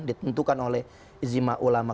ditentukan oleh izimah ulama